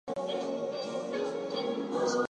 It took Freeman two years to prove this.